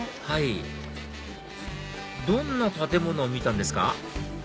はいどんな建物を見たんですか？